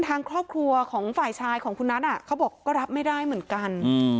ทางครอบครัวของฝ่ายชายของคุณนัทเขาบอกก็รับไม่ได้เหมือนกัน